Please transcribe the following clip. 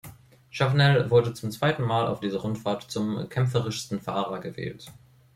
Chavanel wurde zum zweiten Mal auf dieser Rundfahrt zum kämpferischsten Fahrer gewählt.